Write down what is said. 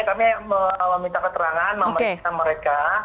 kami meminta keterangan memeriksa mereka